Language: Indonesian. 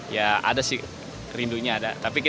ya ada sih rindunya ada